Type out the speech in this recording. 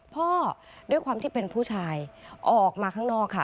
พ่อด้วยความที่เป็นผู้ชายออกมาข้างนอกค่ะ